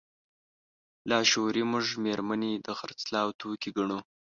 لاشعوري موږ مېرمنې د خرڅلاو توکي ګڼو.